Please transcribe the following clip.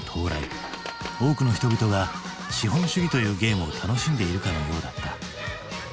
多くの人々が資本主義というゲームを楽しんでいるかのようだった。